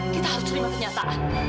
kita harus terima kenyataan